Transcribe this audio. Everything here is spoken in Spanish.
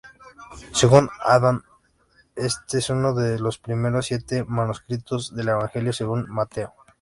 Según Aland este es uno de los primeros siete manuscritos del Evangelio Según Mateo.